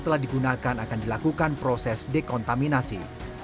setelah digunakan akan dilakukan proses dekontaminasi